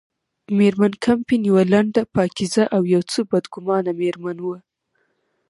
مېرمن کمپن یوه لنډه، پاکیزه او یو څه بدګمانه مېرمن وه.